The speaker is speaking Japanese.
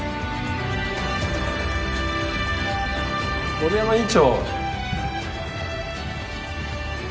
森山院長。